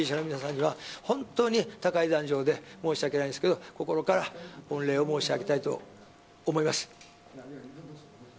本当に高い壇上で申し訳ないんですが心から御礼を申し上げたいと思います。